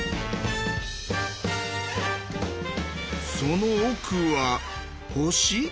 その奥は星？